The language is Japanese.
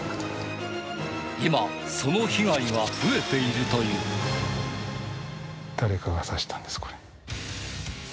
今、その被害は増えていると誰かがさしたんです、これ。